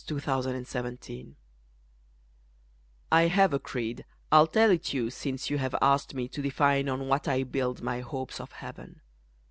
_ The Creed of Love I have a creed, I'll tell it you, Since you have asked me to define On what I build my hopes of heaven.